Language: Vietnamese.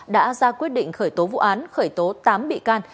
đã ra quyết định khởi tố vụ án khởi tố tám bị can